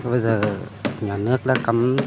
bây giờ nhà nước đã cắm